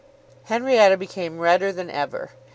Henrietta became redder than ever.